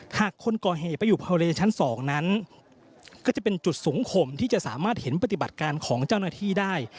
คนก่อเหตุไปอยู่ภาวเลชั้น๒นั้นก็จะเป็นจุดสูงข่มที่จะสามารถเห็นปฏิบัติการของเจ้าหน้าที่ได้